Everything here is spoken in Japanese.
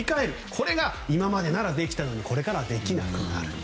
これが今までならできたのにこれからはできなくなると。